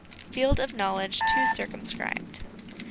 Field of Knowledge too circumscribed.